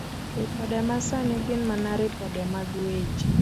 Ripode Masani Gin mana ripode mag weche.